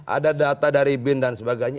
ada data dari bin dan sebagainya